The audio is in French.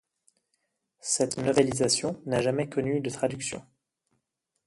Cette novélisation n'a jamais connue de traduction.